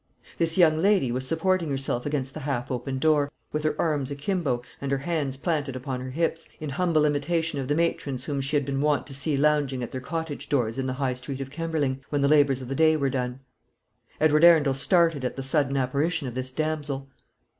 This young lady was supporting herself against the half open door, with her arms a kimbo, and her hands planted upon her hips, in humble imitation of the matrons whom she had been wont to see lounging at their cottage doors in the high street of Kemberling, when the labours of the day were done. Edward Arundel started at the sudden apparition of this damsel.